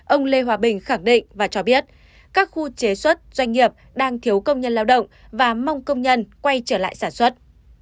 ông lê hòa bình khẳng định và cho biết các khu chế xuất doanh nghiệp đang thiếu công nhân lao động và mong công nhân quay trở lại sản xuất